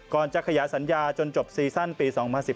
ก่อนจะขยะสัญญาจนจบซีสันปี๒๐๑๕